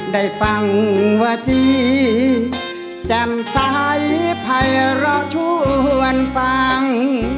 ได้ฟังว่าจี๋แจ่มไสให้เราชวนฟัง